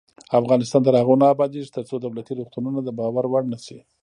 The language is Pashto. افغانستان تر هغو نه ابادیږي، ترڅو دولتي روغتونونه د باور وړ نشي.